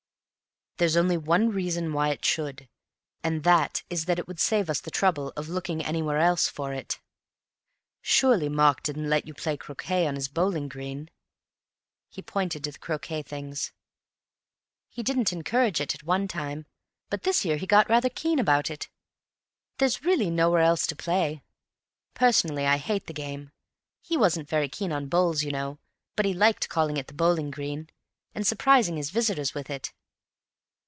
"There's only one reason why it should, and that is that it would save us the trouble of looking anywhere else for it. Surely Mark didn't let you play croquet on his bowling green?" He pointed to the croquet things. "He didn't encourage it at one time, but this year he got rather keen about it. There's really nowhere else to play. Personally I hate the game. He wasn't very keen on bowls, you know, but he liked calling it the bowling green, and surprising his visitors with it."